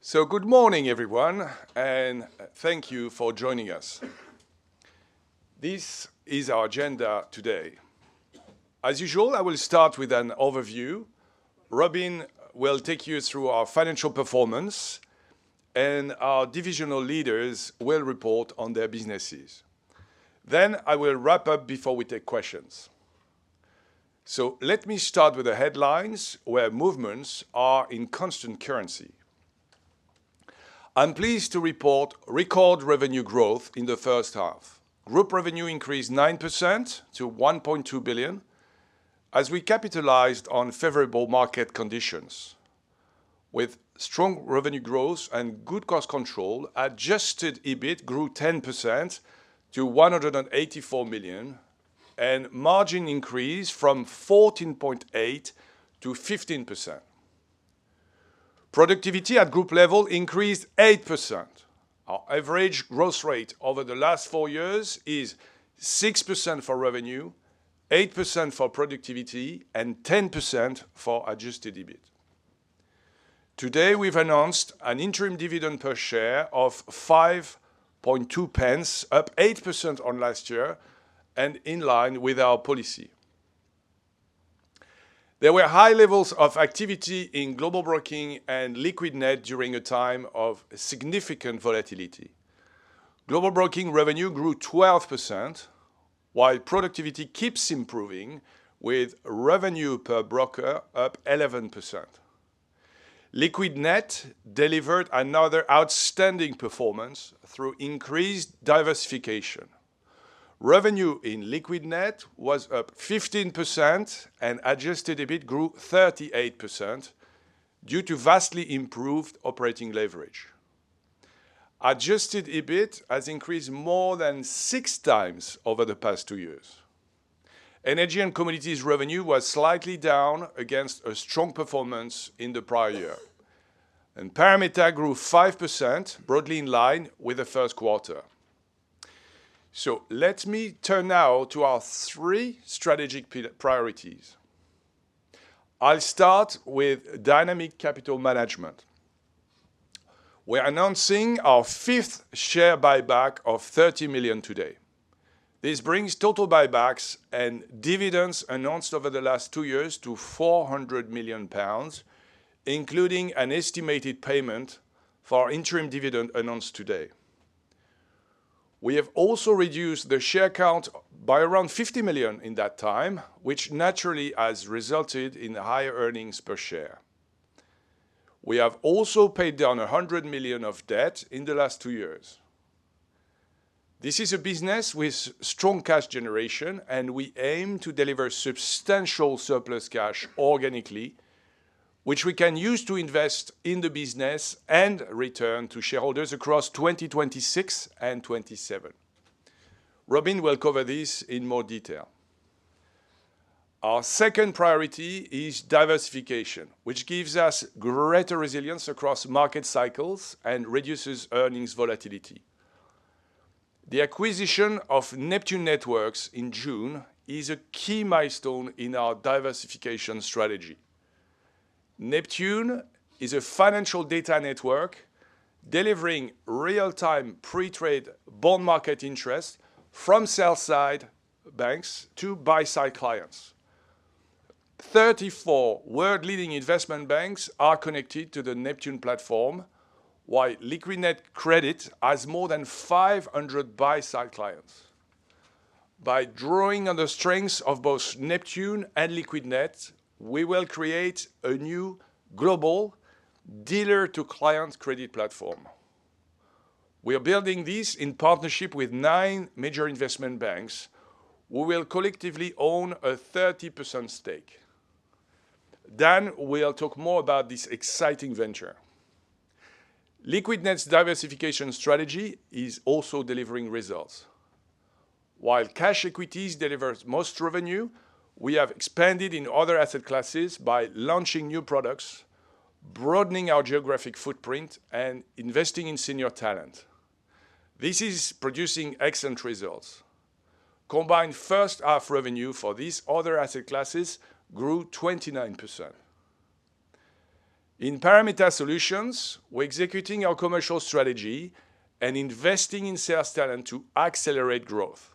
Good morning, everyone, and thank you for joining us. This is our agenda today. As usual, I will start with an overview. Robin will take you through our financial performance, and our Divisional Leaders will report on their businesses. I will wrap up before we take questions. Let me start with the headlines, where movements are in constant currency. I'm pleased to report record revenue growth in the first half. Group revenue increased 9% to 1.2 billion, as we capitalized on favorable market conditions. With strong revenue growth and good cost control, adjusted EBIT grew 10% to 184 million, and margin increased from 14.8% to 15%. Productivity at Group level increased 8%. Our average growth rate over the last four years is 6% for revenue, 8% for productivity, and 10% for adjusted EBIT. Today, we've announced an interim dividend per share of 0.052, up 8% on last year, and in line with our policy. There were high levels of activity in Global Broking and Liquidnet during a time of significant volatility. Global Broking revenue grew 12%, while productivity keeps improving, with revenue per broker up 11%. Liquidnet delivered another outstanding performance through increased diversification. Revenue in Liquidnet was up 15%, and adjusted EBIT grew 38% due to vastly improved operating leverage. Adjusted EBIT has increased more than 6x over the past two years. Energy & Commodities revenue was slightly down against a strong performance in the prior year. Parameta grew 5%, broadly in line with the first quarter. Let me turn now to our three strategic priorities. I'll start with dynamic capital management. We're announcing our fifth share buyback of 30 million today. This brings total buybacks and dividends announced over the last two years to 400 million pounds, including an estimated payment for interim dividend announced today. We have also reduced the share count by around 50 million in that time, which naturally has resulted in higher earnings per share. We have also paid down 100 million of debt in the last two years. This is a business with strong cash generation, and we aim to deliver substantial surplus cash organically, which we can use to invest in the business and return to shareholders across 2026 and 2027. Robin will cover this in more detail. Our second priority is diversification, which gives us greater resilience across market cycles and reduces earnings volatility. The acquisition of Neptune Networks in June is a key milestone in our diversification strategy. Neptune is a financial data network delivering real-time pre-trade bond market interest from sell-side banks to buy-side clients. Thirty-four world-leading investment banks are connected to the Neptune platform, while Liquidnet Credit has more than 500 buy-side clients. By drawing on the strengths of both Neptune and Liquidnet, we will create a new global dealer-to-client credit platform. We are building this in partnership with nine major investment banks who will collectively own a 30% stake. Dan will talk more about this exciting venture. Liquidnet's diversification strategy is also delivering results. While cash equities deliver most revenue, we have expanded in other asset classes by launching new products, broadening our geographic footprint, and investing in senior talent. This is producing excellent results. Combined first half revenue for these other asset classes grew 29%. In Parameta Solutions, we're executing our commercial strategy and investing in sales talent to accelerate growth.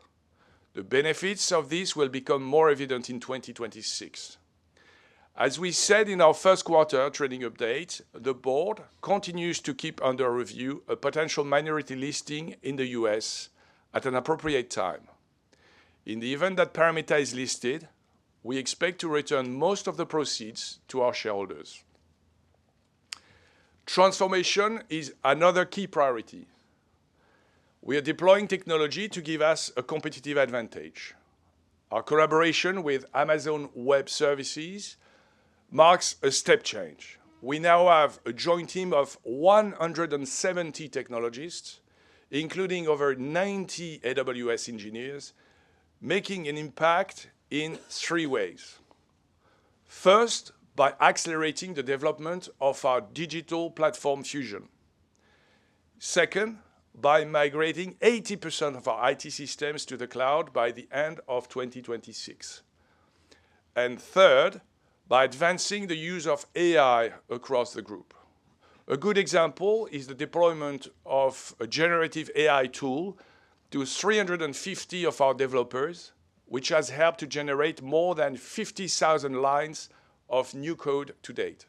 The benefits of this will become more evident in 2026. As we said in our first quarter trading update, the Board continues to keep under review a potential minority listing in the U.S. at an appropriate time. In the event that Parameta is listed, we expect to return most of the proceeds to our shareholders. Transformation is another key priority. We are deploying technology to give us a competitive advantage. Our collaboration with Amazon Web Services marks a step change. We now have a joint team of 170 technologists, including over 90 AWS engineers, making an impact in three ways. First, by accelerating the development of our digital platform Fusion. Second, by migrating 80% of our IT systems to the cloud by the end of 2026. Third, by advancing the use of AI across the group. A good example is the deployment of a generative AI tool for developers to 350 of our developers, which has helped to generate more than 50,000 lines of new code to date.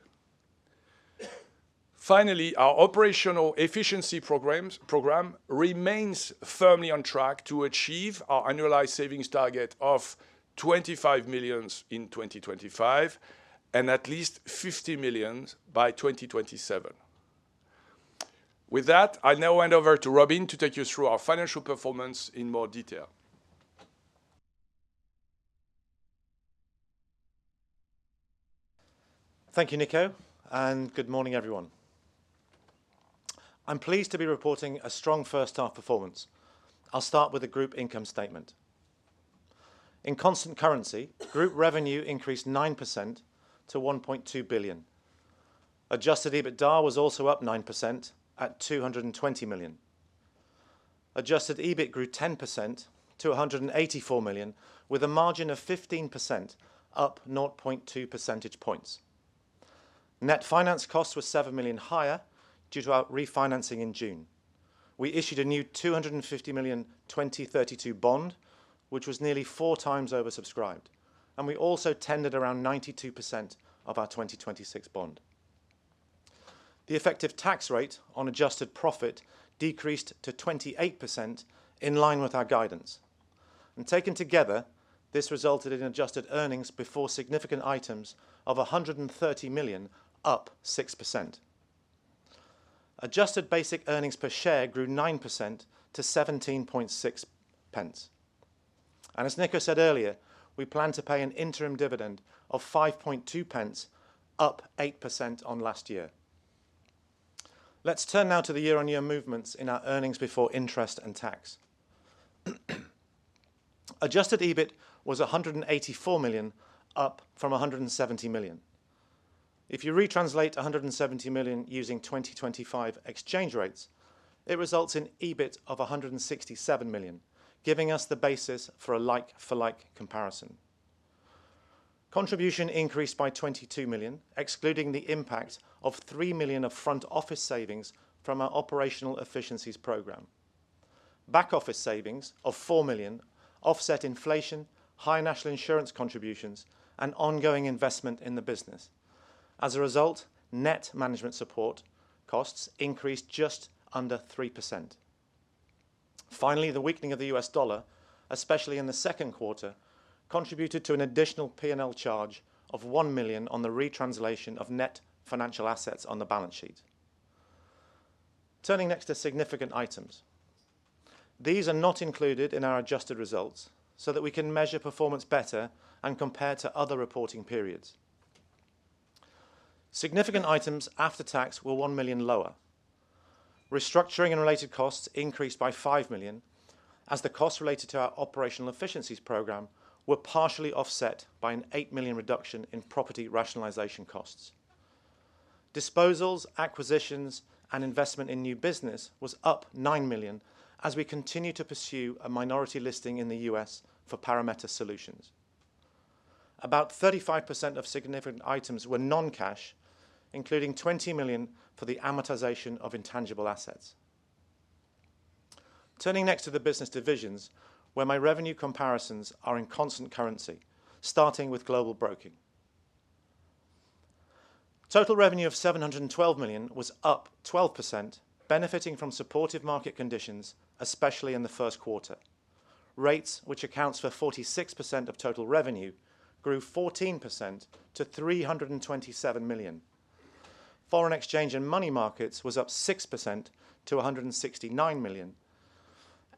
Finally, our operational efficiency program remains firmly on track to achieve our annualized savings target of $25 million in 2025 and at least $50 million by 2027. With that, I'll now hand over to Robin to take you through our financial performance in more detail. Thank you, Nico, and good morning, everyone. I'm pleased to be reporting a strong first half performance. I'll start with the Group income statement. In constant currency, Group revenue increased 9% to 1.2 billion. Adjusted EBITDA was also up 9% at 220 million. Adjusted EBIT grew 10% to 184 million, with a margin of 15%, up 0.2 percentage points. Net finance cost was 7 million higher due to our refinancing in June. We issued a new 250 million 2032 bond, which was nearly 4x oversubscribed, and we also tendered around 92% of our 2026 bond. The effective tax rate on adjusted profit decreased to 28% in line with our guidance. Taken together, this resulted in adjusted earnings before significant items of 130 million, up 6%. Adjusted basic earnings per share grew 9% to 0.176. As Nico said earlier, we plan to pay an interim dividend of 0.052, up 8% on last year. Let's turn now to the year-on-year movements in our earnings before interest and tax. Adjusted EBIT was 184 million, up from 170 million. If you retranslate 170 million using 2025 exchange rates, it results in an EBIT of 167 million, giving us the basis for a like-for-like comparison. Contribution increased by 22 million, excluding the impact of 3 million of front office savings from our operational efficiency program. Back office savings of 4 million offset inflation, higher national insurance contributions, and ongoing investment in the business. As a result, net management support costs increased just under 3%. Finally, the weakening of the U.S. dollar, especially in the second quarter, contributed to an additional P&L charge of 1 million on the retranslation of net financial assets on the balance sheet. Turning next to significant items. These are not included in our adjusted results so that we can measure performance better and compare to other reporting periods. Significant items after tax were 1 million lower. Restructuring and related costs increased by 5 million, as the costs related to our operational efficiency program were partially offset by an 8 million reduction in property rationalization costs. Disposals, acquisitions, and investment in new business was up 9 million, as we continue to pursue a minority U.S. listing for Parameta Solutions. About 35% of significant items were non-cash, including 20 million for the amortization of intangible assets. Turning next to the business divisions, where my revenue comparisons are in constant currency, starting with Global Broking. Total revenue of 712 million was up 12%, benefiting from supportive market conditions, especially in the first quarter. Rates, which accounts for 46% of total revenue, grew 14% to 327 million. Foreign exchange and money markets was up 6% to 169 million.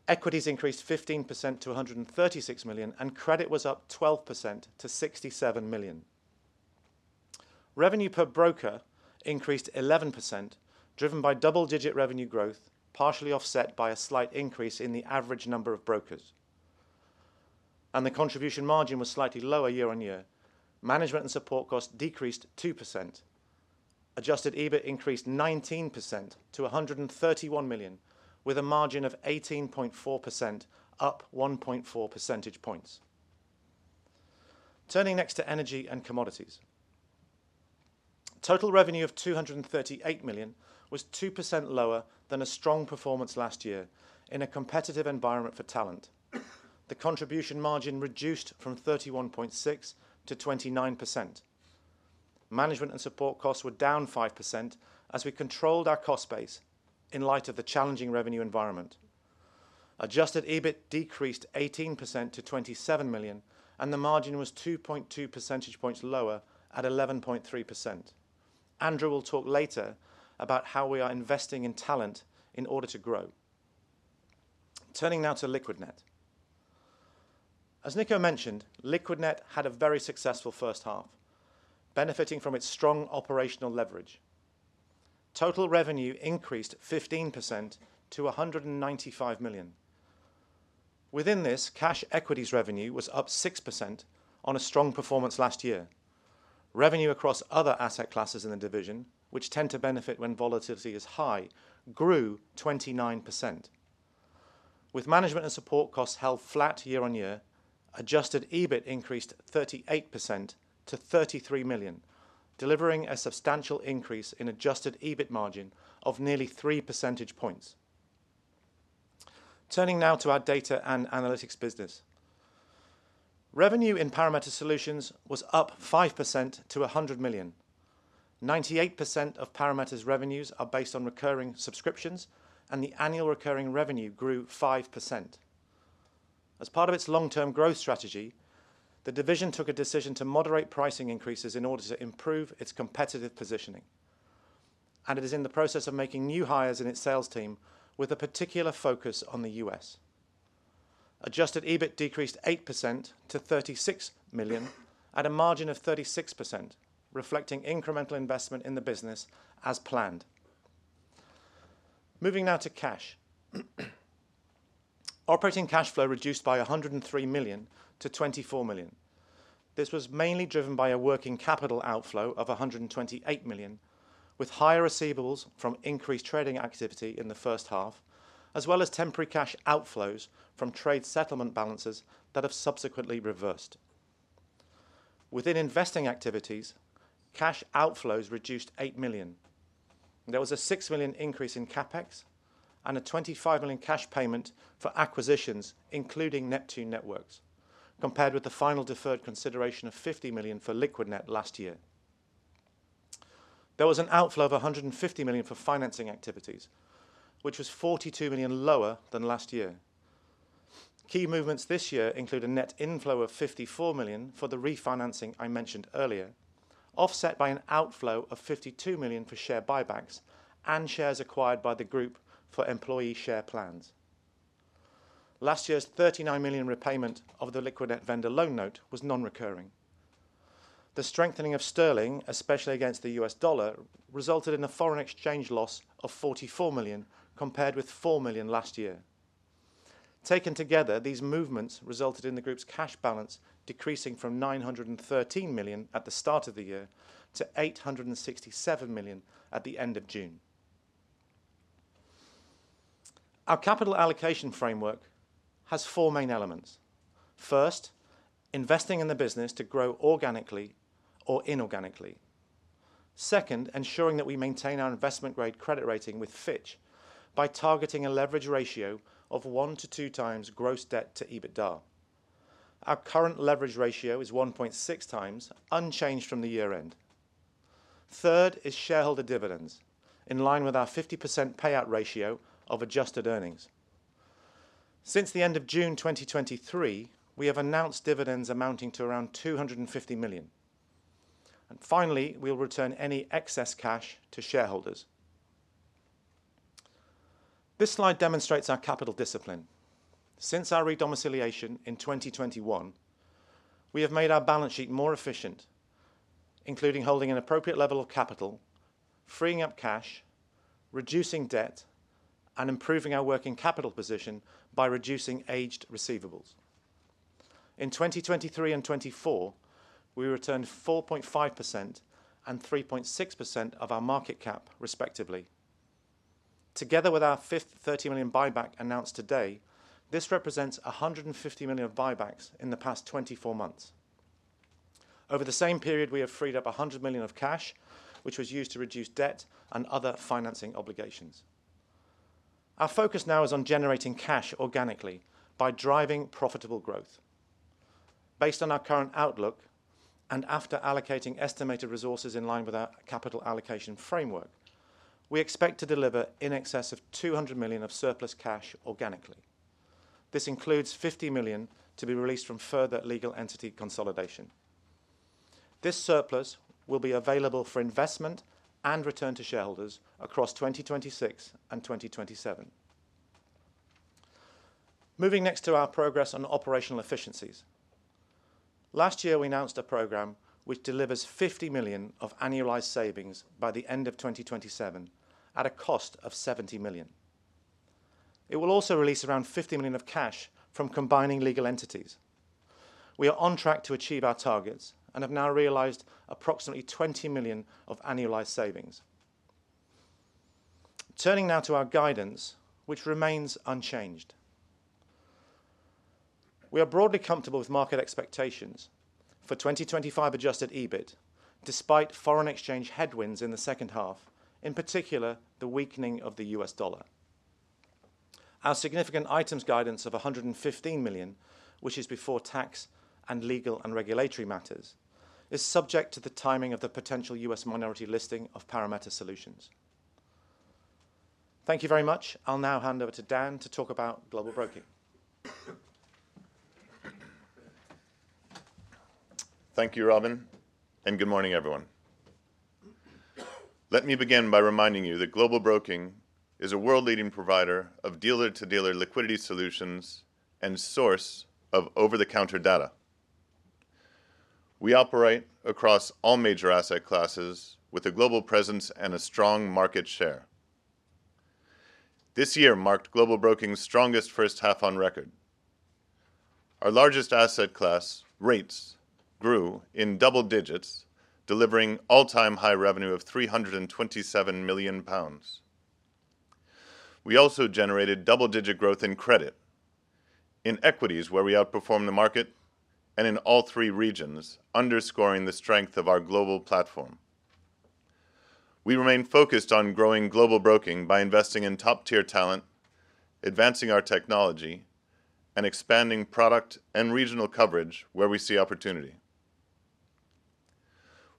Equities increased 15% to 136 million, and credit was up 12% to 67 million. Revenue per broker increased 11%, driven by double-digit revenue growth, partially offset by a slight increase in the average number of brokers. The contribution margin was slightly lower year-on-year. Management and support costs decreased 2%. Adjusted EBIT increased 19% to 131 million, with a margin of 18.4%, up 1.4 percentage points. Turning next to Energy & Commodities. Total revenue of 238 million was 2% lower than a strong performance last year in a competitive environment for talent. The contribution margin reduced from 31.6% to 29%. Management and support costs were down 5% as we controlled our cost base in light of the challenging revenue environment. Adjusted EBIT decreased 18% to 27 million, and the margin was 2.2 percentage points lower at 11.3%. Andrew will talk later about how we are investing in talent in order to grow. Turning now to Liquidnet. As Nico mentioned, Liquidnet had a very successful first half, benefiting from its strong operational leverage. Total revenue increased 15% to 195 million. Within this, cash equities revenue was up 6% on a strong performance last year. Revenue across other asset classes in the division, which tend to benefit when volatility is high, grew 29%. With management and support costs held flat year on year, adjusted EBIT increased 38% to 33 million, delivering a substantial increase in adjusted EBIT margin of nearly 3 percentage points. Turning now to our data and analytics business. Revenue in Parameta Solutions was up 5% to 100 million. 98% of Parameta's revenues are based on recurring subscriptions, and the annual recurring revenue grew 5%. As part of its long-term growth strategy, the division took a decision to moderate pricing increases in order to improve its competitive positioning. It is in the process of making new hires in its sales team, with a particular focus on the U.S. Adjusted EBIT decreased 8% to 36 million at a margin of 36%, reflecting incremental investment in the business as planned. Moving now to cash. Operating cash flow reduced by 103 million to 24 million. This was mainly driven by a working capital outflow of 128 million, with higher receivables from increased trading activity in the first half, as well as temporary cash outflows from trade settlement balances that have subsequently reversed. Within investing activities, cash outflows reduced 8 million. There was a 6 million increase in CapEx and a 25 million cash payment for acquisitions, including Neptune Networks, compared with the final deferred consideration of 50 million for Liquidnet last year. There was an outflow of 150 million for financing activities, which was 42 million lower than last year. Key movements this year include a net inflow of 54 million for the refinancing I mentioned earlier, offset by an outflow of 52 million for share buybacks and shares acquired by the group for employee share plans. Last year's 39 million repayment of the Liquidnet vendor loan note was non-recurring. The strengthening of sterling, especially against the U.S. dollar, resulted in a foreign exchange loss of 44 million compared with 4 million last year. Taken together, these movements resulted in the group's cash balance decreasing from 913 million at the start of the year to 867 million at the end of June. Our capital allocation framework has four main elements. First, investing in the business to grow organically or inorganically. Second, ensuring that we maintain our investment-grade credit rating with Fitch by targeting a leverage ratio of 1x-2x gross debt to EBITDA. Our current leverage ratio is 1.6x, unchanged from the year-end. Third is shareholder dividends, in line with our 50% payout ratio of adjusted earnings. Since the end of June 2023, we have announced dividends amounting to around 250 million. Finally, we'll return any excess cash to shareholders. This slide demonstrates our capital discipline. Since our redomiciliation in 2021, we have made our balance sheet more efficient, including holding an appropriate level of capital, freeing up cash, reducing debt, and improving our working capital position by reducing aged receivables. In 2023 and 2024, we returned 4.5% and 3.6% of our market cap, respectively. Together with our fifth 30 million buyback announced today, this represents 150 million of buybacks in the past 24 months. Over the same period, we have freed up 100 million of cash, which was used to reduce debt and other financing obligations. Our focus now is on generating cash organically by driving profitable growth. Based on our current outlook, and after allocating estimated resources in line with our capital allocation framework, we expect to deliver in excess of 200 million of surplus cash organically. This includes 50 million to be released from further legal entity consolidation. This surplus will be available for investment and return to shareholders across 2026 and 2027. Moving next to our progress on operational efficiencies. Last year, we announced a program which delivers 50 million of annualized savings by the end of 2027 at a cost of 70 million. It will also release around 50 million of cash from combining legal entities. We are on track to achieve our targets and have now realized approximately 20 million of annualized savings. Turning now to our guidance, which remains unchanged. We are broadly comfortable with market expectations for 2025 adjusted EBIT, despite foreign exchange headwinds in the second half, in particular the weakening of the U.S. dollar. Our significant items guidance of 115 million, which is before tax and legal and regulatory matters, is subject to the timing of the potential minority U.S. listing of Parameta Solutions. Thank you very much. I'll now hand over to Dan to talk about Global Broking. Thank you, Robin, and good morning, everyone. Let me begin by reminding you that Global Broking is a world-leading provider of dealer-to-dealer liquidity solutions and source of over-the-counter data. We operate across all major asset classes with a global presence and a strong market share. This year marked Global Broking's strongest first half on record. Our largest asset class, rates, grew in double digits, delivering all-time high revenue of 327 million pounds. We also generated double-digit growth in Credit, in equities where we outperformed the market, and in all three regions, underscoring the strength of our global platform. We remain focused on growing Global Broking by investing in top-tier talent, advancing our technology, and expanding product and regional coverage where we see opportunity.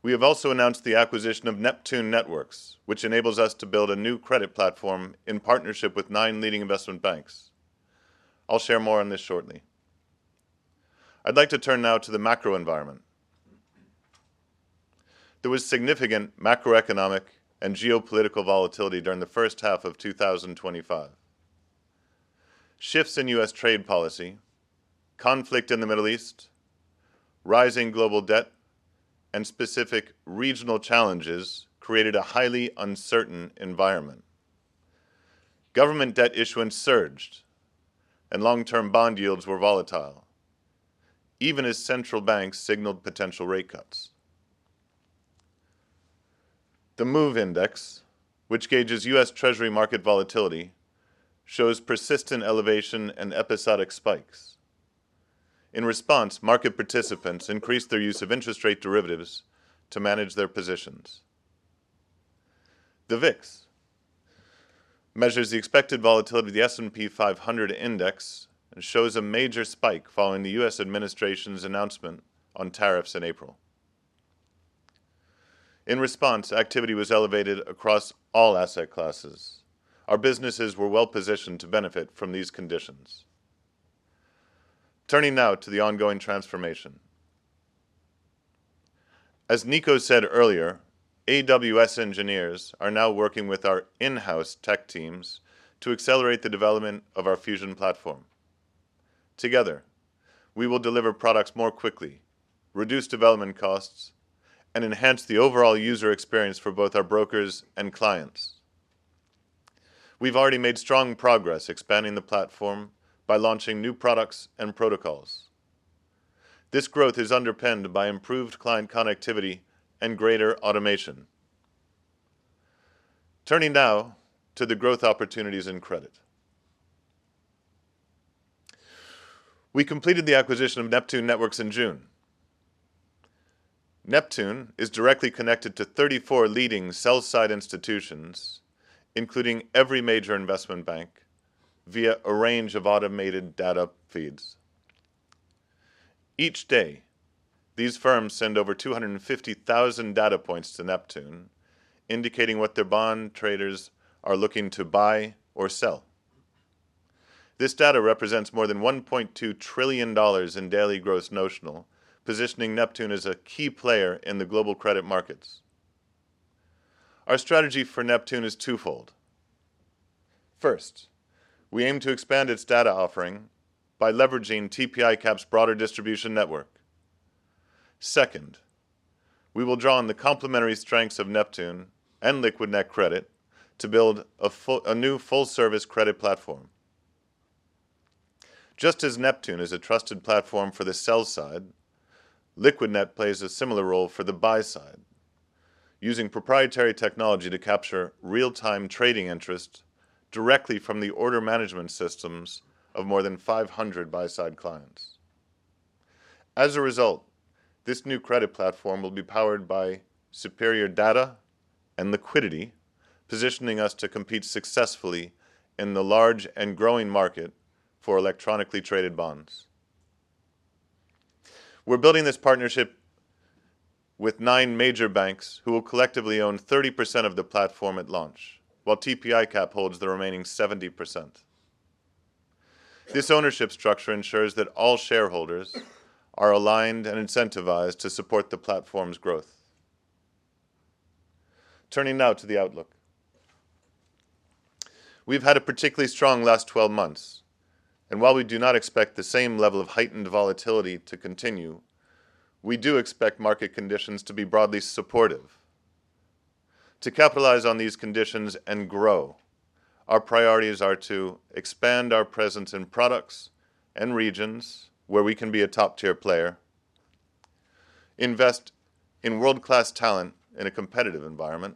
We have also announced the acquisition of Neptune Networks, which enables us to build a new credit platform in partnership with nine leading investment banks. I'll share more on this shortly. I'd like to turn now to the macro environment. There was significant macroeconomic and geopolitical volatility during the first half of 2025. Shifts in U.S. trade policy, conflict in the Middle East, rising global debt, and specific regional challenges created a highly uncertain environment. Government debt issuance surged, and long-term bond yields were volatile, even as central banks signaled potential rate cuts. The MOVE Index, which gauges U.S. Treasury market volatility, shows persistent elevation and episodic spikes. In response, market participants increased their use of interest rate derivatives to manage their positions. The VIX measures the expected volatility of the S&P 500 index and shows a major spike following the U.S. administration's announcement on tariffs in April. In response, activity was elevated across all asset classes. Our businesses were well-positioned to benefit from these conditions. Turning now to the ongoing transformation. As Nico said earlier, AWS engineers are now working with our in-house tech teams to accelerate the development of our Fusion platform. Together, we will deliver products more quickly, reduce development costs, and enhance the overall user experience for both our brokers and clients. We've already made strong progress expanding the platform by launching new products and protocols. This growth is underpinned by improved client connectivity and greater automation. Turning now to the growth opportunities in credit. We completed the acquisition of Neptune Networks in June. Neptune is directly connected to 34 leading sell-side institutions, including every major investment bank, via a range of automated data feeds. Each day, these firms send over 250,000 data points to Neptune, indicating what their bond traders are looking to buy or sell. This data represents more than $1.2 trillion in daily gross notional, positioning Neptune as a key player in the global credit markets. Our strategy for Neptune is twofold. First, we aim to expand its data offering by leveraging TP ICAP's broader distribution network. Second, we will draw on the complementary strengths of Neptune and Liquidnet Credit to build a new full-service credit platform. Just as Neptune is a trusted platform for the sell side, Liquidnet plays a similar role for the buy side, using proprietary technology to capture real-time trading interest directly from the order management systems of more than 500 buy-side clients. As a result, this new credit platform will be powered by superior data and liquidity, positioning us to compete successfully in the large and growing market for electronically traded bonds. We're building this partnership with nine major banks who will collectively own 30% of the platform at launch, while TP ICAP holds the remaining 70%. This ownership structure ensures that all shareholders are aligned and incentivized to support the platform's growth. Turning now to the outlook. We've had a particularly strong last 12 months, and while we do not expect the same level of heightened volatility to continue, we do expect market conditions to be broadly supportive. To capitalize on these conditions and grow, our priorities are to expand our presence in products and regions where we can be a top-tier player, invest in world-class talent in a competitive environment,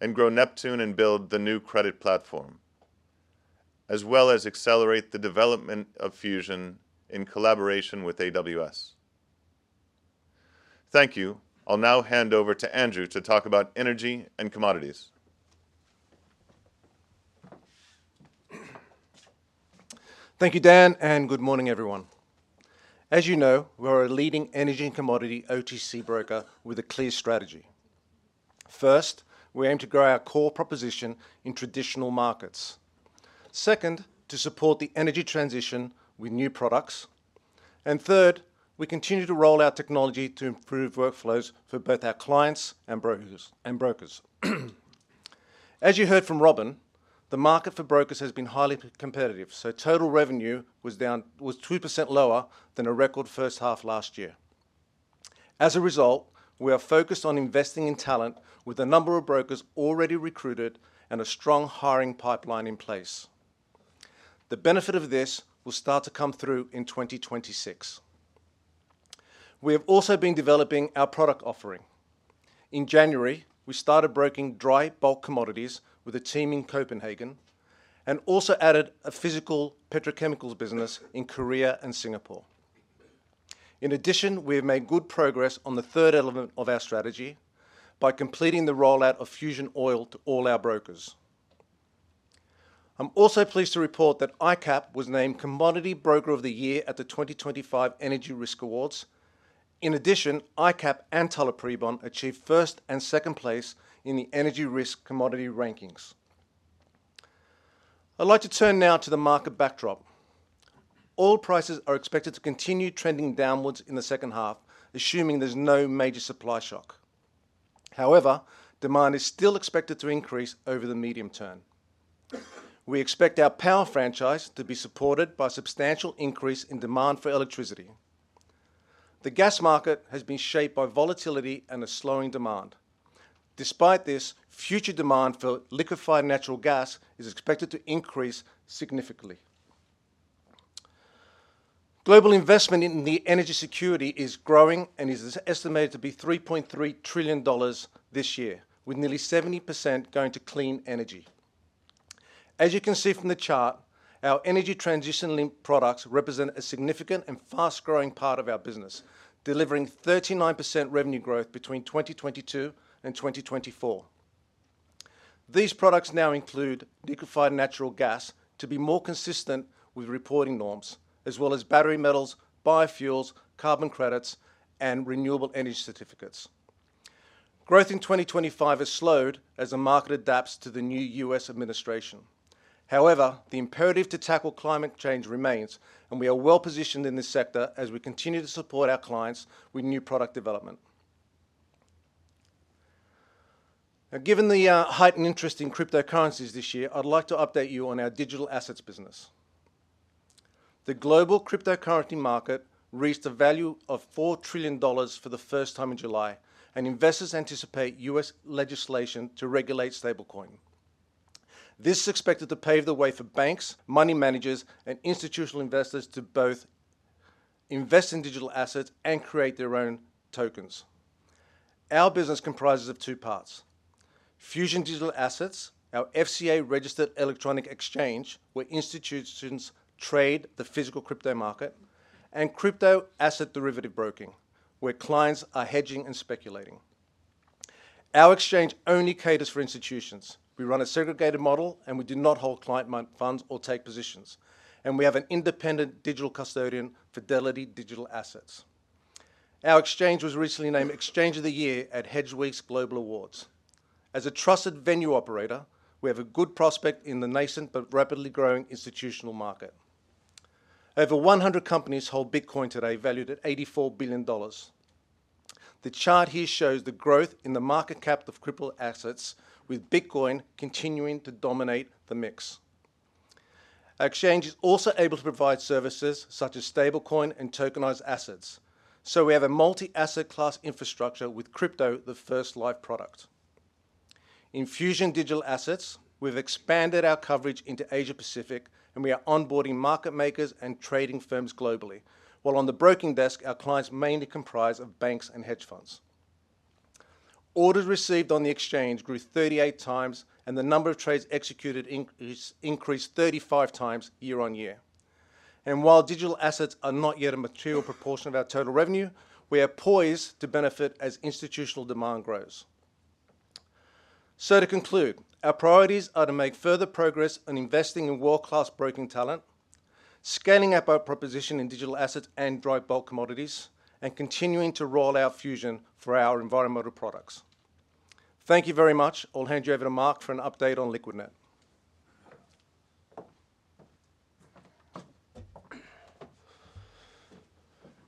and grow Neptune and build the new credit platform, as well as accelerate the development of Fusion in collaboration with AWS. Thank you. I'll now hand over to Andrew to talk about Energy & Commodities. Thank you, Dan, and good morning, everyone. As you know, we're a leading Energy & Commodities OTC broker with a clear strategy. First, we aim to grow our core proposition in traditional markets. Second, to support the energy transition with new products. Third, we continue to roll out technology to improve workflows for both our clients and brokers. As you heard from Robin, the market for brokers has been highly competitive, so total revenue was down 2% lower than a record first half last year. As a result, we are focused on investing in talent with a number of brokers already recruited and a strong hiring pipeline in place. The benefit of this will start to come through in 2026. We have also been developing our product offering. In January, we started broking dry bulk commodities with a team in Copenhagen, and also added a physical petrochemicals business in Korea and Singapore. In addition, we have made good progress on the third element of our strategy by completing the rollout of Fusion Oil to all our brokers. I'm also pleased to report that ICAP was named Commodity Broker of the Year at the 2025 Energy Risk Awards. In addition, ICAP and Tullett Prebon achieved first and second place in the Energy Risk Commodity rankings. I'd like to turn now to the market backdrop. Oil prices are expected to continue trending downwards in the second half, assuming there's no major supply shock. However, demand is still expected to increase over the medium term. We expect our power franchise to be supported by a substantial increase in demand for electricity. The gas market has been shaped by volatility and a slowing demand. Despite this, future demand for liquefied natural gas is expected to increase significantly. Global investment in energy security is growing and is estimated to be $3.3 trillion this year, with nearly 70% going to clean energy. As you can see from the chart, our energy transition-linked products represent a significant and fast-growing part of our business, delivering 39% revenue growth between 2022 and 2024. These products now include liquefied natural gas to be more consistent with reporting norms, as well as battery metals, biofuels, carbon credits, and renewable energy certificates. Growth in 2025 has slowed as the market adapts to the new U.S. administration. However, the imperative to tackle climate change remains, and we are well positioned in this sector as we continue to support our clients with new product development. Now, given the heightened interest in cryptocurrencies this year, I'd like to update you on our digital assets business. The global cryptocurrency market reached a value of $4 trillion for the first time in July, and investors anticipate U.S. legislation to regulate stablecoin. This is expected to pave the way for banks, money managers, and institutional investors to both invest in digital assets and create their own tokens. Our business comprises two parts: Fusion Digital Assets, our FCA-registered electronic exchange where institutions trade the physical crypto market, and crypto asset derivative broking where clients are hedging and speculating. Our exchange only caters for institutions. We run a segregated model, and we do not hold client funds or take positions. We have an independent digital custodian, Fidelity Digital Assets. Our exchange was recently named Exchange of the Year at HedgeWeek's Global Awards. As a trusted venue operator, we have a good prospect in the nascent but rapidly growing institutional market. Over 100 companies hold Bitcoin today, valued at $84 billion. The chart here shows the growth in the market cap of crypto assets, with Bitcoin continuing to dominate the mix. Our exchange is also able to provide services such as stablecoin and tokenized assets, so we have a multi-asset class infrastructure with crypto the first live product. In Fusion Digital Assets, we've expanded our coverage into Asia-Pacific, and we are onboarding market makers and trading firms globally, while on the broking desk, our clients mainly comprise banks and hedge funds. Orders received on the exchange grew 38x, and the number of trades executed increased 35x year-on-year. While digital assets are not yet a material proportion of our total revenue, we are poised to benefit as institutional demand grows. To conclude, our priorities are to make further progress on investing in world-class broking talent, scaling up our proposition in digital assets and dry bulk commodities, and continuing to roll out Fusion for our environmental products. Thank you very much. I'll hand you over to Mark for an update on Liquidnet.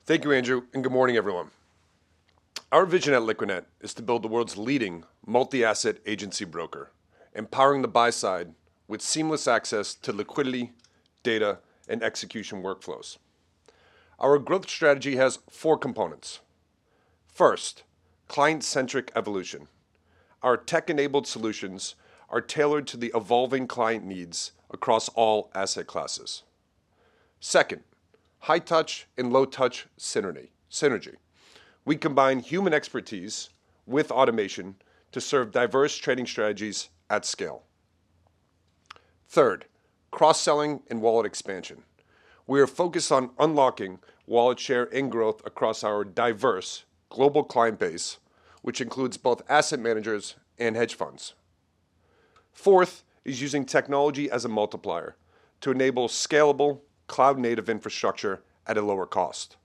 Thank you, Andrew, and good morning, everyone. Our vision at Liquidnet is to build the world's leading multi-asset agency broker, empowering the buy side with seamless access to liquidity, data, and execution workflows. Our growth strategy has four components. First, client-centric evolution. Our tech-enabled solutions are tailored to the evolving client needs across all asset classes. Second, high-touch and low-touch synergy. We combine human expertise with automation to serve diverse trading strategies at scale. Third, cross-selling and wallet expansion. We are focused on unlocking wallet share and growth across our diverse global client base, which includes both asset managers and hedge funds. Fourth is using technology as a multiplier to enable scalable, cloud-native infrastructure at a lower cost.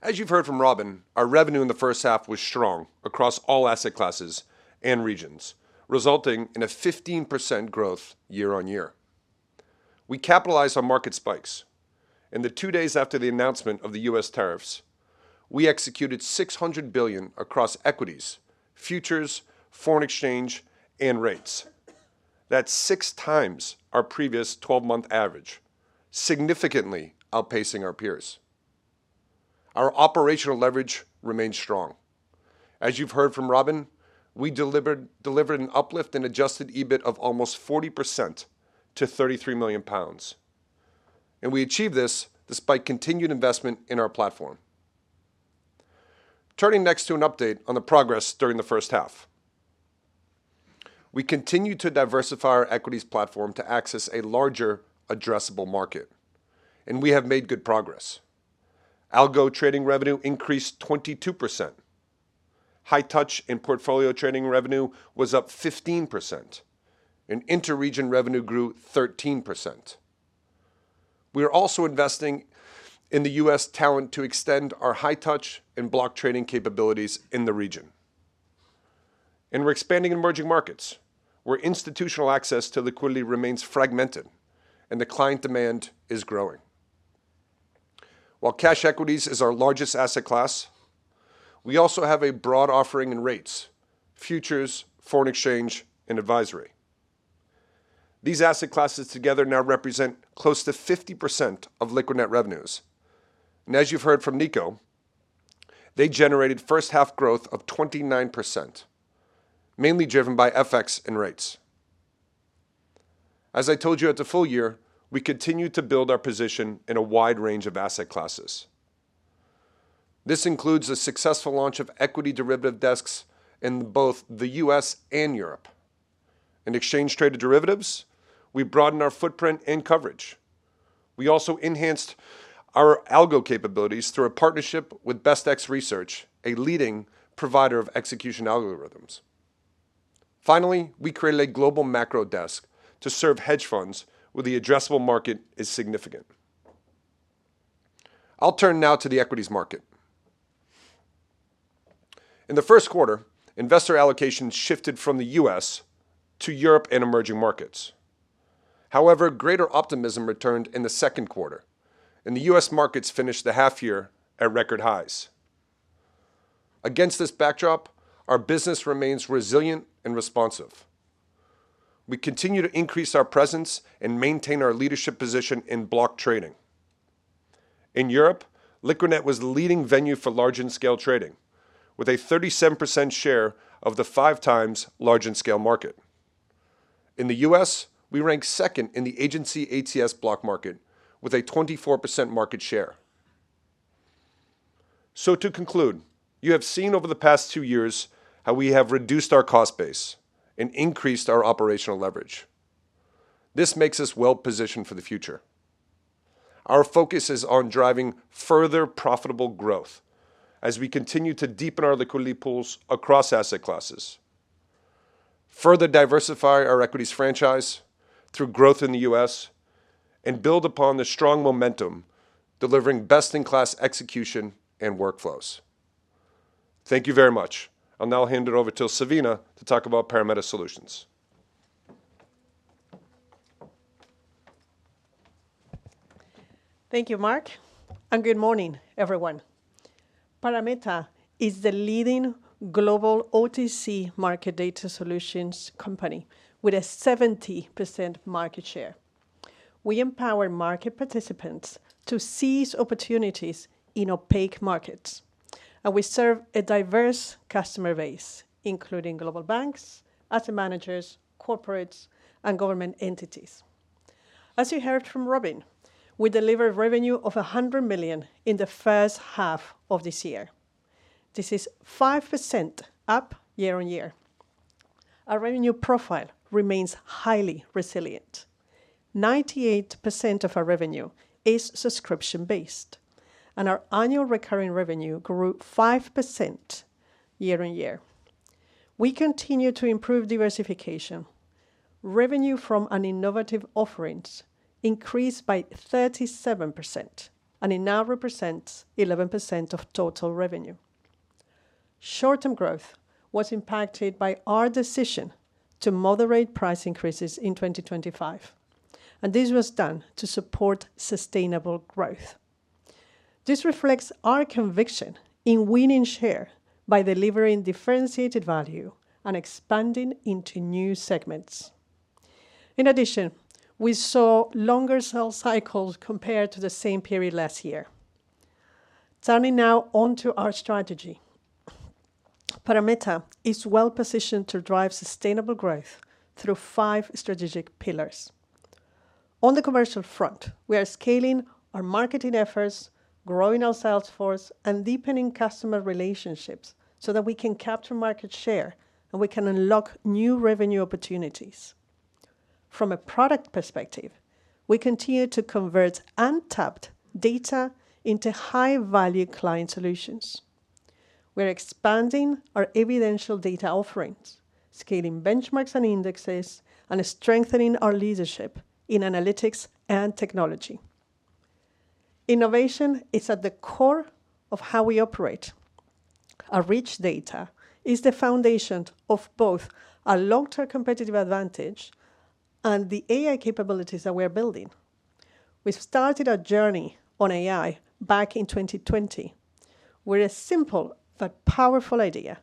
As you've heard from Robin, our revenue in the first half was strong across all asset classes and regions, resulting in a 15% growth year-on-year. We capitalized on market spikes. In the two days after the announcement of the U.S. tariffs, we executed $600 billion across equities, futures, foreign exchange, and rates. That's 6x our previous 12-month average, significantly outpacing our peers. Our operational leverage remains strong. As you've heard from Robin, we delivered an uplift in adjusted EBIT of almost 40% to 33 million pounds. We achieved this despite continued investment in our platform. Turning next to an update on the progress during the first half. We continue to diversify our Equities platform to access a larger, addressable market, and we have made good progress. Algo-trading revenue increased 22%. High-touch and portfolio trading revenue was up 15%, and inter-region revenue grew 13%. We are also investing in U.S. talent to extend our high-touch and block trading capabilities in the region. We're expanding in emerging markets, where institutional access to liquidity remains fragmented and the client demand is growing. While Cash equities is our largest asset class, we also have a broad offering in rates, futures, foreign exchange, and advisory. These asset classes together now represent close to 50% of Liquidnet revenues. As you've heard from Nico, they generated first-half growth of 29%, mainly driven by FX and rates. As I told you at the full year, we continue to build our position in a wide range of asset classes. This includes a successful launch of Equity Derivative desks in both the U.S. and Europe. In Exchange-Traded Derivatives, we broadened our footprint and coverage. We also enhanced our algo capabilities through a partnership with BestEX Research, a leading provider of execution algorithms. Finally, we created a global macro desk to serve hedge funds where the addressable market is significant. I'll turn now to the equities market. In the first quarter, investor allocations shifted from the U.S. to Europe and emerging markets. However, greater optimism returned in the second quarter, and the U.S. markets finished the half year at record highs. Against this backdrop, our business remains resilient and responsive. We continue to increase our presence and maintain our leadership position in block trading. In Europe, Liquidnet was the leading venue for large and scale trading, with a 37% share of the 5x large and scale market. In the U.S., we ranked second in the agency ATS block market, with a 24% market share. To conclude, you have seen over the past two years how we have reduced our cost base and increased our operational leverage. This makes us well-positioned for the future. Our focus is on driving further profitable growth as we continue to deepen our liquidity pools across asset classes, further diversify our equities franchise through growth in the U.S., and build upon the strong momentum delivering best-in-class execution and workflows. Thank you very much. I'll now hand it over to Silvina to talk about Parameta Solutions. Thank you, Mark, and good morning, everyone. Parameta is the leading global OTC market data solutions company with a 70% market share. We empower market participants to seize opportunities in opaque markets, and we serve a diverse customer base, including global banks, asset managers, corporates, and government entities. As you heard from Robin, we delivered revenue of 100 million in the first half of this year. This is 5% up year-on-year. Our revenue profile remains highly resilient. 98% of our revenue is subscription-based, and our annual recurring revenue grew 5% year-on-year. We continue to improve diversification. Revenue from our innovative offerings increased by 37%, and it now represents 11% of total revenue. Short-term growth was impacted by our decision to moderate price increases in 2025, and this was done to support sustainable growth. This reflects our conviction in winning share by delivering differentiated value and expanding into new segments. In addition, we saw longer sell cycles compared to the same period last year. Turning now onto our strategy, Parameta is well-positioned to drive sustainable growth through five strategic pillars. On the commercial front, we are scaling our marketing efforts, growing our sales force, and deepening customer relationships so that we can capture market share and we can unlock new revenue opportunities. From a product perspective, we continue to convert untapped data into high-value client solutions. We are expanding our evidential data offerings, scaling benchmarks and indexes, and strengthening our leadership in analytics and technology. Innovation is at the core of how we operate. Our rich data is the foundation of both our long-term competitive advantage and the AI capabilities that we are building. We've started our journey on AI back in 2020 with a simple but powerful idea: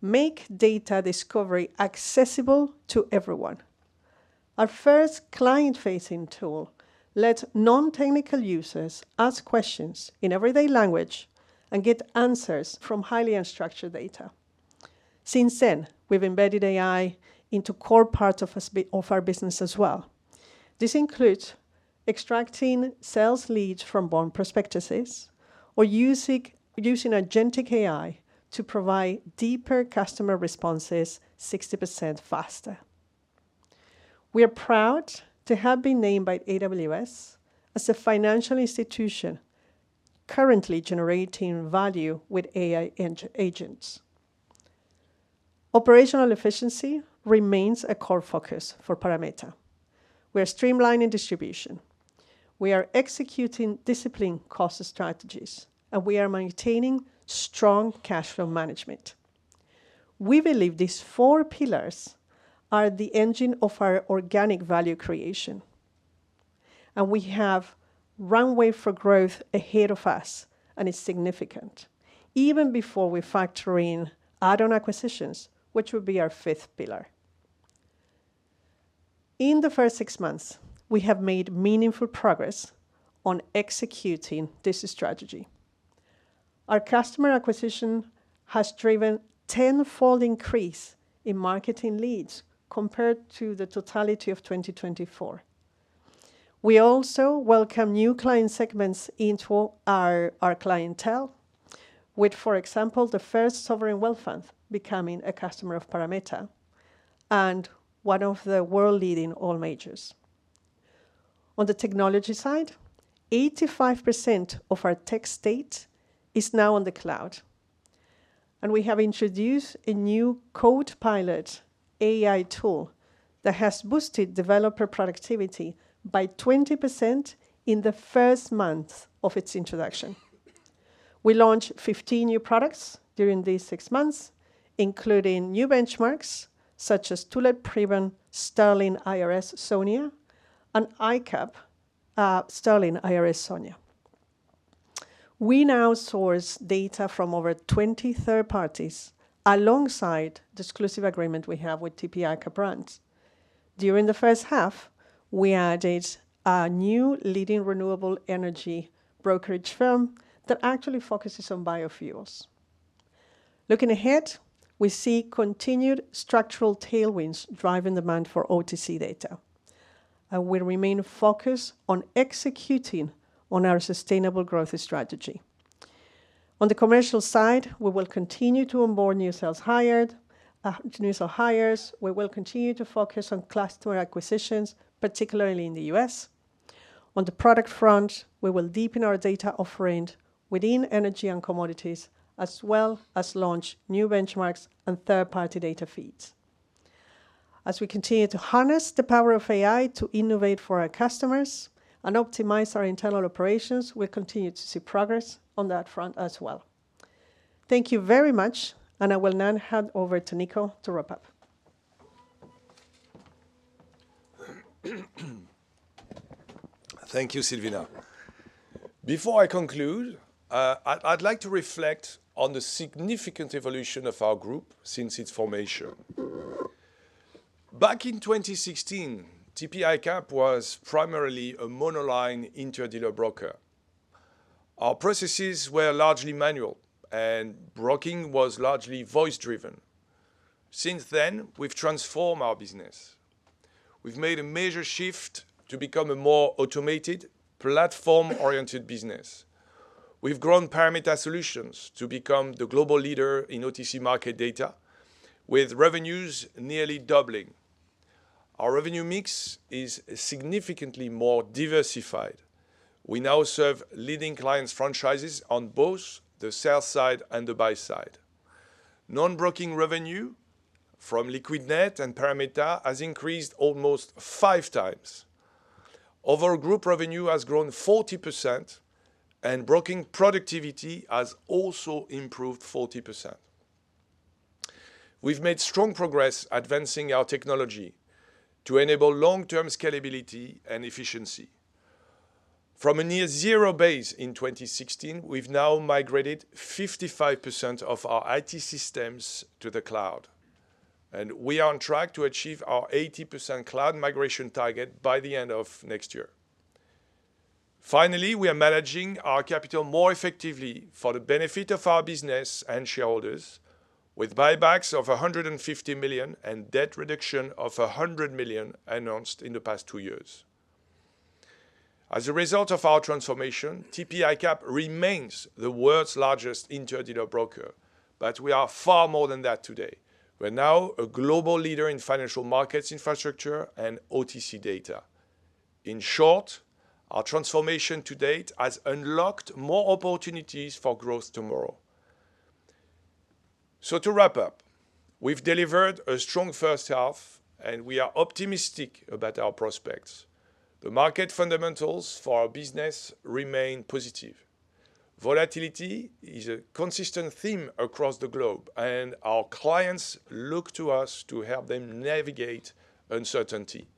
make data discovery accessible to everyone. Our first client-facing tool lets non-technical users ask questions in everyday language and get answers from highly unstructured data. Since then, we've embedded AI into core parts of our business as well. This includes extracting sales leads from born prospectuses or using agentic AI to provide deeper customer responses 60% faster. We are proud to have been named by AWS as a financial institution currently generating value with AI agents. Operational efficiency remains a core focus for Parameta. We are streamlining distribution. We are executing disciplined cost strategies, and we are maintaining strong cash flow management. We believe these four pillars are the engine of our organic value creation. We have a runway for growth ahead of us, and it's significant, even before we factor in add-on acquisitions, which would be our fifth pillar. In the first six months, we have made meaningful progress on executing this strategy. Our customer acquisition has driven a 10-fold increase in marketing leads compared to the totality of 2024. We also welcome new client segments into our clientele, with, for example, the first sovereign wealth fund becoming a customer of Parameta and one of the world-leading oil majors. On the technology side, 85% of our tech estate is now on the cloud. We have introduced a new generative AI tool for developers that has boosted developer productivity by 20% in the first month of its introduction. We launched 15 new products during these six months, including new benchmarks such as Tullett Prebon Sterling IRS Sonia and ICAP Sterling IRS SONIA. We now source data from over 20 third parties alongside the exclusive agreement we have with TP ICAP brands. During the first half, we added a new leading renewable energy brokerage firm that actually focuses on biofuels. Looking ahead, we see continued structural tailwinds driving demand for OTC market data. We remain focused on executing on our sustainable growth strategy. On the commercial side, we will continue to onboard new sales hires. We will continue to focus on customer acquisitions, particularly in the U.S. On the product front, we will deepen our data offering within Energy & Commodities, as well as launch new benchmarks and third-party data feeds. As we continue to harness the power of AI adoption to innovate for our customers and optimize our internal operations, we'll continue to see progress on that front as well. Thank you very much, and I will now hand over to Nico to wrap up. Thank you, Silvina. Before I conclude, I'd like to reflect on the significant evolution of our group since its formation. Back in 2016, TP ICAP was primarily a mono-line inter-dealer broker. Our processes were largely manual, and broking was largely voice-driven. Since then, we've transformed our business. We've made a major shift to become a more automated, platform-oriented business. We've grown Parameta Solutions to become the global leader in OTC market data, with revenues nearly doubling. Our revenue mix is significantly more diversified. We now serve leading client franchises on both the sell side and the buy side. Non-broking revenue from Liquidnet and Parameta has increased almost 5x. Overall, group revenue has grown 40%, and broking productivity has also improved 40%. We've made strong progress advancing our technology to enable long-term scalability and efficiency. From a near-zero base in 2016, we've now migrated 55% of our IT systems to the cloud. We are on track to achieve our 80% cloud migration target by the end of next year. Finally, we are managing our capital more effectively for the benefit of our business and shareholders, with buybacks of 150 million and debt reduction of 100 million announced in the past two years. As a result of our transformation, TP ICAP remains the world's largest inter-dealer broker, but we are far more than that today. We are now a global leader in financial markets infrastructure and OTC data. In short, our transformation to date has unlocked more opportunities for growth tomorrow. To wrap up, we've delivered a strong first half, and we are optimistic about our prospects. The market fundamentals for our business remain positive. Volatility is a consistent theme across the globe, and our clients look to us to help them navigate uncertainty.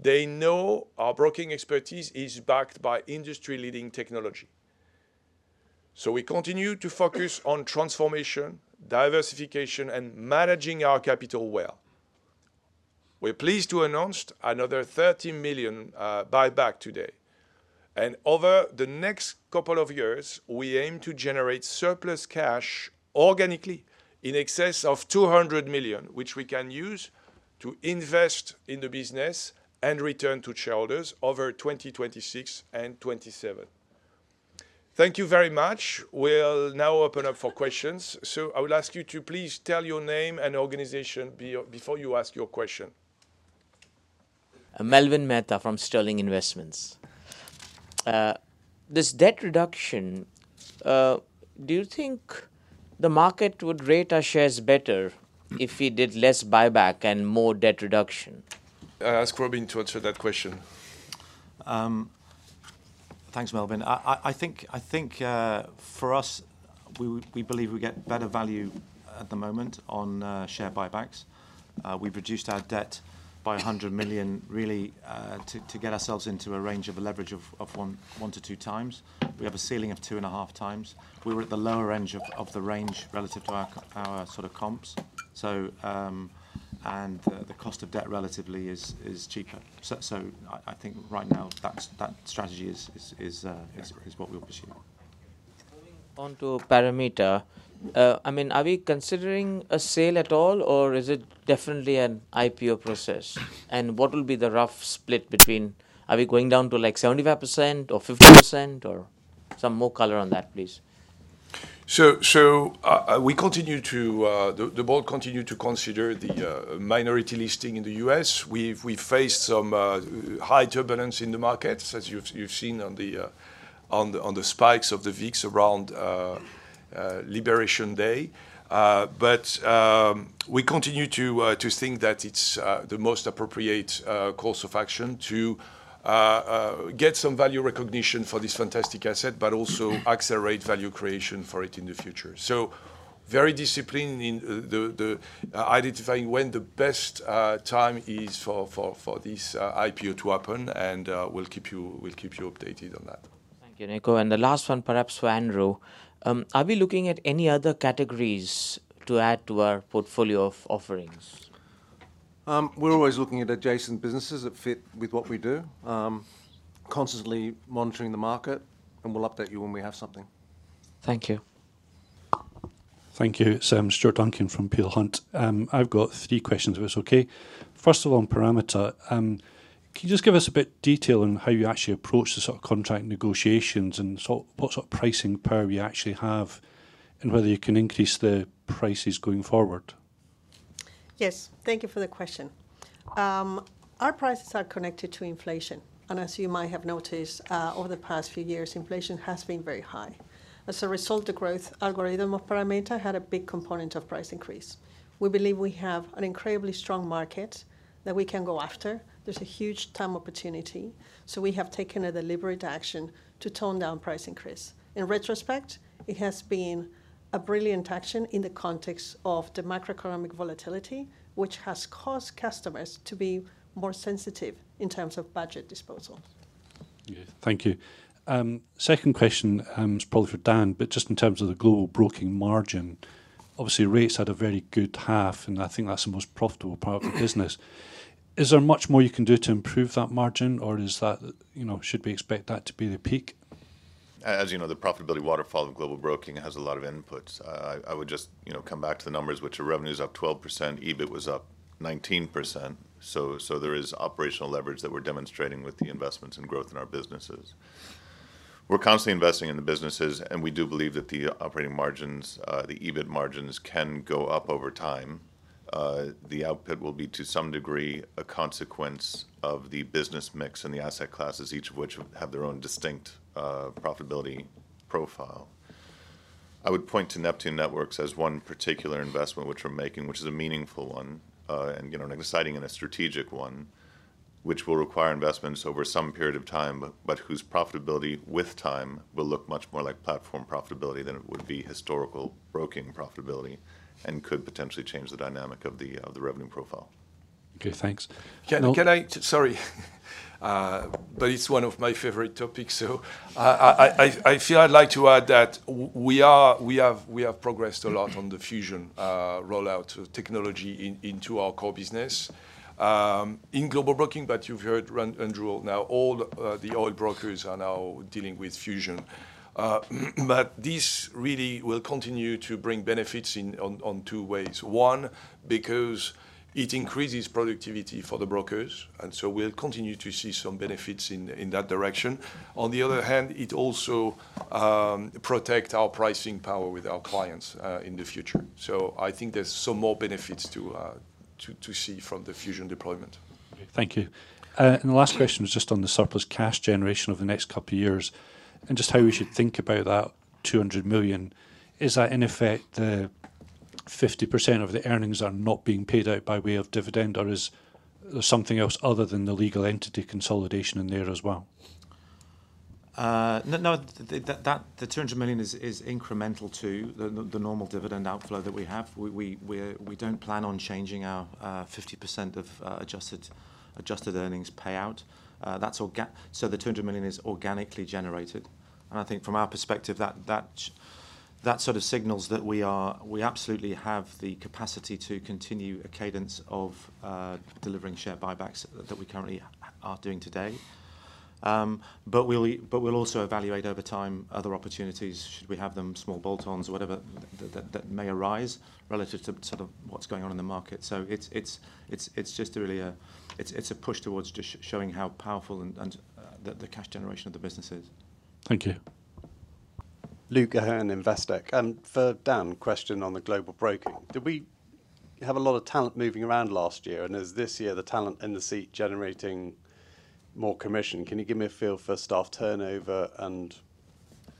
They know our broking expertise is backed by industry-leading technology. We continue to focus on transformation, diversification, and managing our capital well. We're pleased to announce another 30 million buybacks today. Over the next couple of years, we aim to generate surplus cash organically in excess of 200 million, which we can use to invest in the business and return to shareholders over 2026 and 2027. Thank you very much. We'll now open up for questions. I would ask you to please tell your name and organization before you ask your question. Melwin Mehta from Sterling Investments. This debt reduction, do you think the market would rate our shares better if we did less buyback and more debt reduction? As Robin answered that question. Thanks, Melwin. I think for us, we believe we get better value at the moment on share buybacks. We've reduced our debt by 100 million, really, to get ourselves into a range of leverage of 1x-2x. We have a ceiling of 2.5x. We were at the lower range of the range relative to our sort of comps, and the cost of debt relatively is cheaper. I think right now that strategy is what we'll pursue. Onto Parameta, I mean, are we considering a sale at all, or is it definitely an IPO process? What will be the rough split between are we going down to like 75% or 50% or some more color on that, please? We continue to, the Board continues to consider the minority listing in the U.S. We've faced some high turbulence in the markets, as you've seen on the spikes of the VIX around Liberation Day. We continue to think that it's the most appropriate course of action to get some value recognition for this fantastic asset, but also accelerate value creation for it in the future. Very disciplined in identifying when the best time is for this IPO to happen, and we'll keep you updated on that. Thank you, Nico. The last one, perhaps for Andrew, are we looking at any other categories to add to our portfolio of offerings? We're always looking at adjacent businesses that fit with what we do, constantly monitoring the market, and we'll update you when we have something. Thank you. Thank you. Stuart Duncan from Peel Hunt. I've got three questions, if it's okay. First of all, on Parameta, can you just give us a bit of detail on how you actually approach the sort of contract negotiations and what sort of pricing power you actually have and whether you can increase the prices going forward? Yes, thank you for the question. Our prices are connected to inflation. As you might have noticed, over the past few years, inflation has been very high. As a result, the growth algorithm of Parameta had a big component of price increase. We believe we have an incredibly strong market that we can go after. There's a huge time opportunity. We have taken a deliberate action to tone down price increase. In retrospect, it has been a brilliant action in the context of the macroeconomic volatility, which has caused customers to be more sensitive in terms of budget disposal. Yes, thank you. Second question, probably for Dan, but just in terms of the Global Broking margin, obviously rates had a very good half, and I think that's the most profitable part of the business. Is there much more you can do to improve that margin, or should we expect that to be the peak? As you know, the profitability waterfall of Global Broking has a lot of inputs. I would just come back to the numbers, which are revenues up 12%, EBIT was up 19%. There is operational leverage that we're demonstrating with the investments and growth in our businesses. We're constantly investing in the businesses, and we do believe that the operating margins, the EBIT margins can go up over time. The output will be to some degree a consequence of the business mix and the asset classes, each of which have their own distinct profitability profile. I would point to Neptune Networks as one particular investment which we're making, which is a meaningful one, and an exciting and a strategic one, which will require investments over some period of time, but whose profitability with time will look much more like platform profitability than it would be historical broking profitability and could potentially change the dynamic of the revenue profile. Okay, thanks. Sorry. It's one of my favorite topics. I feel I'd like to add that we have progressed a lot on the Fusion rollout technology into our core business in Global Broking. You've heard, Andrew, now all the oil brokers are now dealing with Fusion. This really will continue to bring benefits in two ways. One, because it increases productivity for the brokers, and we'll continue to see some benefits in that direction. On the other hand, it also protects our pricing power with our clients in the future. I think there's some more benefits to see from the Fusion deployment. Thank you. The last question is just on the surplus cash generation over the next couple of years and just how we should think about that 200 million. Is that in effect the 50% of the earnings are not being paid out by way of dividend, or is there something else other than the legal entity consolidation in there as well? No, the 200 million is incremental to the normal dividend outflow that we have. We don't plan on changing our 50% of adjusted earnings payout. The 200 million is organically generated. I think from our perspective, that sort of signals that we absolutely have the capacity to continue a cadence of delivering share buybacks that we currently are doing today. We'll also evaluate over time other opportunities, should we have them, small bolt-ons or whatever that may arise relative to what's going on in the market. It is just really a push towards just showing how powerful the cash generation of the business is. Thank you. Luke Ahern, Investec. For Dan, question on the Global Broking. Do we have a lot of talent moving around last year? Is this year the talent industry generating more commission? Can you give me a feel for staff turnover and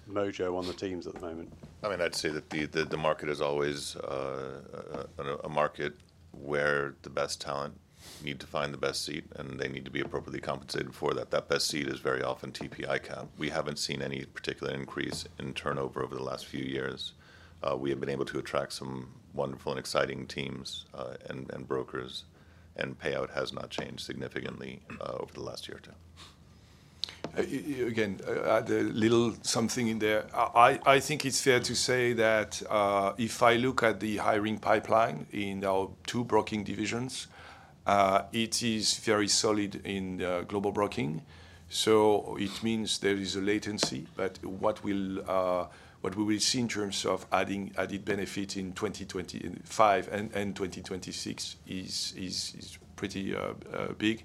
mojo on the teams at the moment? I'd say that the market is always a market where the best talent need to find the best seat, and they need to be appropriately compensated for that. That best seat is very often TP ICAP. We haven't seen any particular increase in turnover over the last few years. We have been able to attract some wonderful and exciting teams and brokers, and payout has not changed significantly over the last year or two. I think it's fair to say that if I look at the hiring pipeline in our two broking divisions, it is very solid in Global Broking. It means there is a latency, but what we will see in terms of added benefit in 2025 and 2026 is pretty big.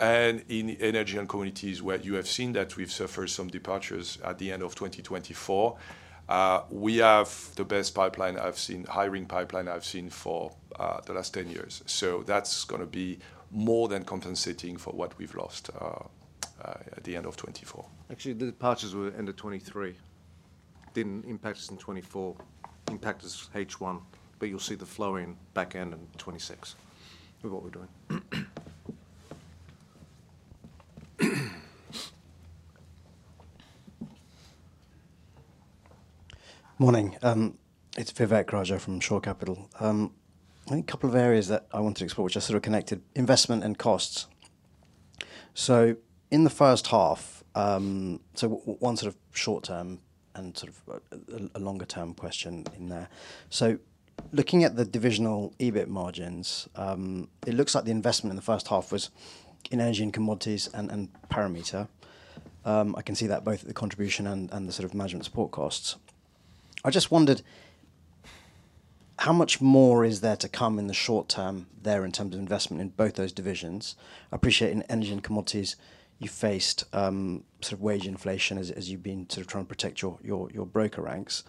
In Energy & Commodities, where you have seen that we've suffered some departures at the end of 2024, we have the best hiring pipeline I've seen for the last 10 years. That's going to be more than compensating for what we've lost at the end of 2024. Actually, the departures were end of 2023. Didn't impact us in 2024, impact us H1, but you'll see the flow in back end in 2026 with what we're doing. Morning. It's Vivek Raja from Shore Capital. I think a couple of areas that I want to explore, which are sort of connected: investment and costs. In the first half, one sort of short-term and sort of a longer-term question in there. Looking at the divisional EBIT margins, it looks like the investment in the first half was in Energy & Commodities and Parameta. I can see that both at the contribution and the sort of management support costs. I just wondered, how much more is there to come in the short term there in terms of investment in both those divisions? I appreciate in Energy & Commodities, you faced sort of wage inflation as you've been sort of trying to protect your broker ranks.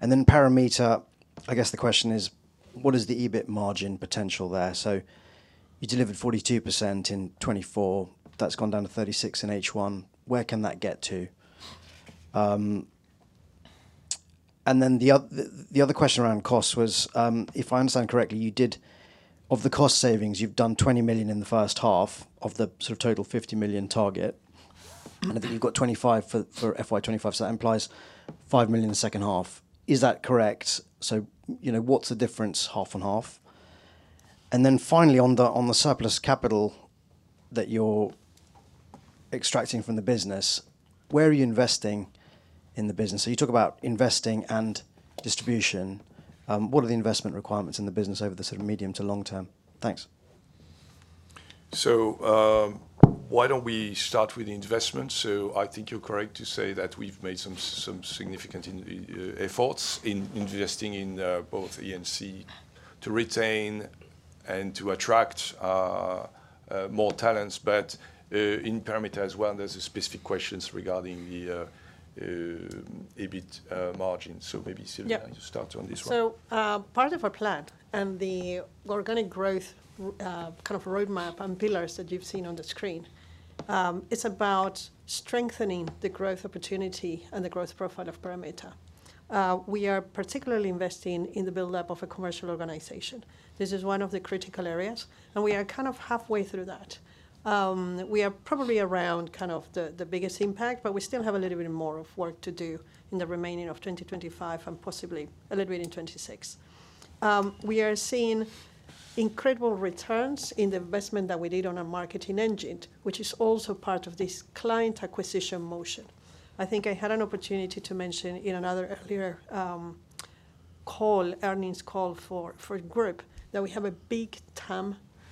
In Parameta, I guess the question is, what is the EBIT margin potential there? You delivered 42% in 2024. That's gone down to 36% in H1. Where can that get to? The other question around costs was, if I understand correctly, you did, of the cost savings, you've done 20 million in the first half of the sort of total 50 million target. I think you've got 25% for FY 2025, so that implies 5 million in the second half. Is that correct? What's the difference half and half? Finally, on the surplus capital that you're extracting from the business, where are you investing in the business? You talk about investing and distribution. What are the investment requirements in the business over the sort of medium to long term? Thanks. Why don't we start with the investments? I think you're correct to say that we've made some significant efforts in investing in both E&C to retain and to attract more talents. In Parameta as well, there are specific questions regarding the adjusted EBIT margins. Maybe Silvina to start on this one. Part of our plan and the organic growth kind of roadmap and pillars that you've seen on the screen is about strengthening the growth opportunity and the growth profile of Parameta. We are particularly investing in the buildup of a commercial organization. This is one of the critical areas, and we are kind of halfway through that. We are probably around kind of the biggest impact, but we still have a little bit more of work to do in the remaining of 2025 and possibly a little bit in 2026. We are seeing incredible returns in the investment that we did on our marketing engine, which is also part of this client acquisition motion. I think I had an opportunity to mention in another earlier call, earnings call for the group, that we have a big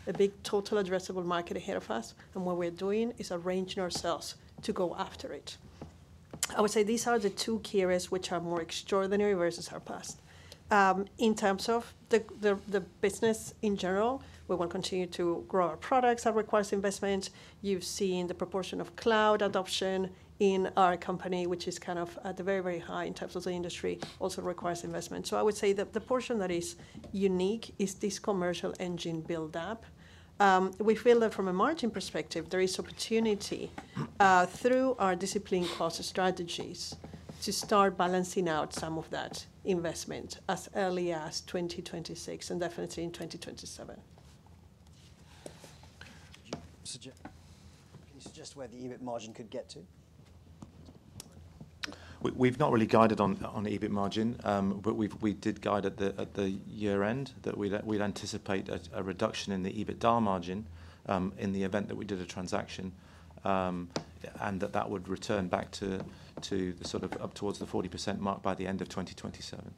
TAM, a big total addressable market ahead of us, and what we're doing is arranging ourselves to go after it. I would say these are the two key areas which are more extraordinary versus our past. In terms of the business in general, we will continue to grow our products that require investments. You've seen the proportion of cloud adoption in our company, which is kind of at the very, very high in terms of the industry, also requires investment. I would say that the portion that is unique is this commercial engine buildup. We feel that from a margin perspective, there is opportunity through our discipline cost strategies to start balancing out some of that investment as early as 2026 and definitely in 2027. Can you suggest where the EBIT margin could get to? We've not really guided on EBIT margin, but we did guide at the year-end that we'd anticipate a reduction in the EBITDA margin in the event that we did a transaction, and that that would return back to the sort of up towards the 40% mark by the end of 2027.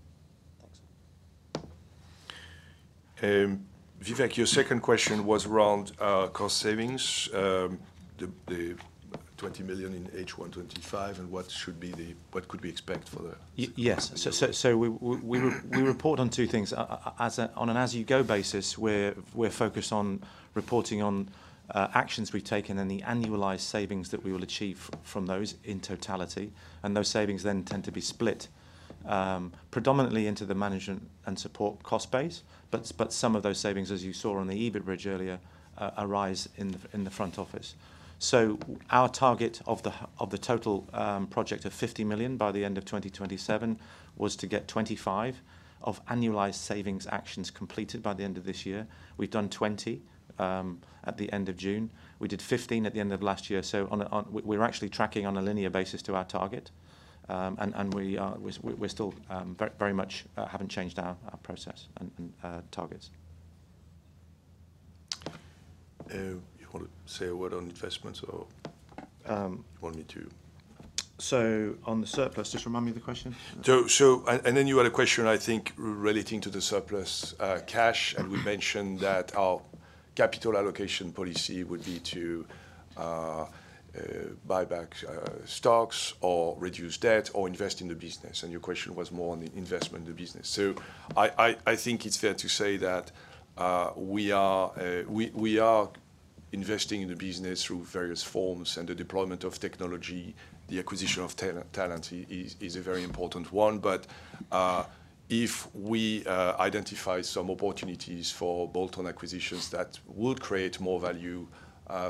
Vivek, your second question was around cost savings, the 20 million in H1 2025, and what could we expect for the... Yes. We report on two things. On an as-you-go basis, we're focused on reporting on actions we've taken and the annualized savings that we will achieve from those in totality. Those savings then tend to be split predominantly into the management and support cost base, but some of those savings, as you saw on the EBIT bridge earlier, arise in the front office. Our target of the total project of 50 million by the end of 2027 was to get 25 million of annualized savings actions completed by the end of this year. We've done 20 million at the end of June. We did 15 million at the end of last year. We're actually tracking on a linear basis to our target. We still very much haven't changed our process and targets. You want to say a word on investments or want me to... On the surplus, just remind me of the question? You had a question, I think, relating to the surplus cash. We mentioned that our capital allocation policy would be to buy back stocks, reduce debt, or invest in the business. Your question was more on investment in the business. I think it's fair to say that we are investing in the business through various forms, and the deployment of technology and the acquisition of talent is a very important one. If we identify some opportunities for bolt-on acquisitions that would create more value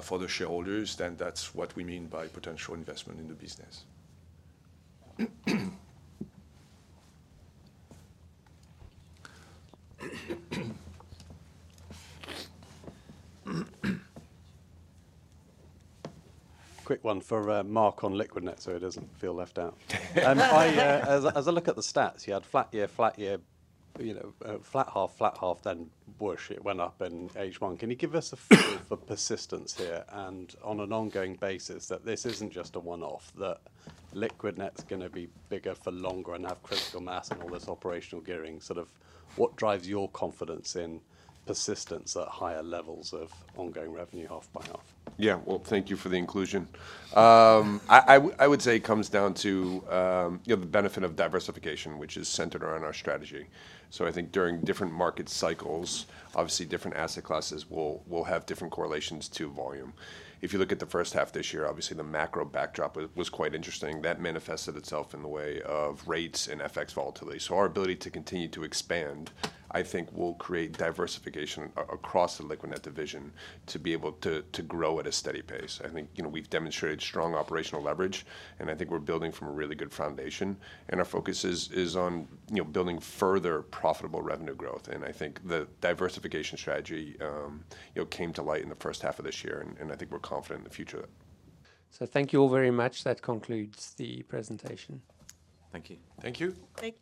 for the shareholders, then that's what we mean by potential investment in the business. Quick one for Mark on Liquidnet so it doesn't feel left out. As I look at the stats, you had flat year, flat year, you know, flat half, flat half, then boom, it went up in H1. Can you give us a persistence here and on an ongoing basis that this isn't just a one-off, that Liquidnet's going to be bigger for longer and have critical mass and all this operational gearing? What drives your confidence in persistence at higher levels of ongoing revenue half by half? Thank you for the inclusion. I would say it comes down to the benefit of diversification, which is centered around our strategy. I think during different market cycles, obviously different asset classes will have different correlations to volume. If you look at the first half this year, obviously the macro backdrop was quite interesting. That manifested itself in the way of rates and FX volatility. Our ability to continue to expand, I think, will create diversification across the Liquidnet division to be able to grow at a steady pace. I think we've demonstrated strong operational leverage, and I think we're building from a really good foundation. Our focus is on building further profitable revenue growth. I think the diversification strategy came to light in the first half of this year, and I think we're confident in the future of that. Thank you all very much. That concludes the presentation. Thank you. Thank you. Thank you.